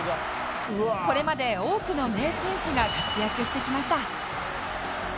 これまで多くの名選手が活躍してきました